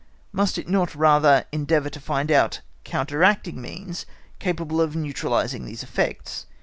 —must it not rather endeavour to find out counteracting means capable of neutralising these effects?